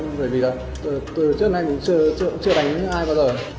một cơn gió